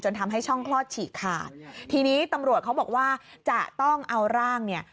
ทำให้ช่องคลอดฉีกขาดทีนี้ตำรวจเขาบอกว่าจะต้องเอาร่างเนี่ย